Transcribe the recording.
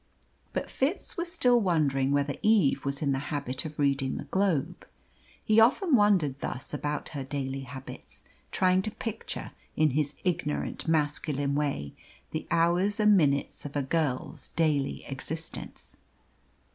But Fitz was still wondering whether Eve was in the habit of reading the Globe. He often wondered thus about her daily habits, trying to picture, in his ignorant masculine way, the hours and minutes of a girl's daily existence.